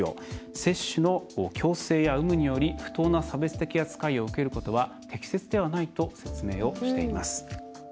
接種の強制や有無により不当な差別的な扱いを受けることは適切ではないと説明をしています。